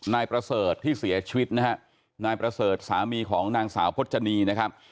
นายประเสริฐที่เสียชีวิตนะฮะนายประเสริฐสามีของนางสาวพจนีนะครับ